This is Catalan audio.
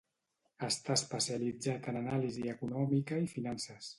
Està especialitzat en anàlisi econòmica i finances.